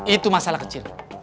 itu masalah kecil